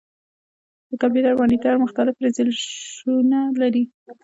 د کمپیوټر مانیټر مختلف ریزولوشنونه لري.